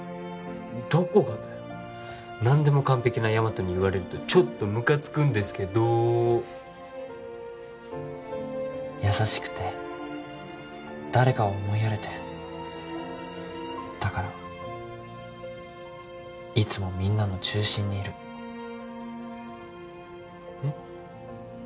どこがだよ何でも完璧なヤマトに言われるとちょっとムカつくんですけど優しくて誰かを思いやれてだからいつもみんなの中心にいるえっ？